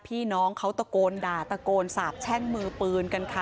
พี่น้องเขาตะโกนด่าตะโกนสาบแช่งมือปืนกันค่ะ